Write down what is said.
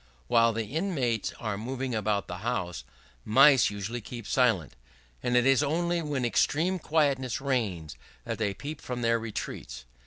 While the inmates are moving about the house, mice usually keep silence; and it is only when extreme quietness reigns that they peep from their retreats.